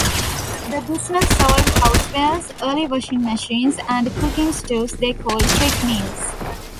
The business sold housewares, early washing machines, and cooking stoves they called "quick meals".